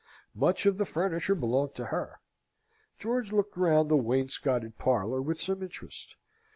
Much of the furniture belonged to her." George looked round the wainscoted parlour with some interest.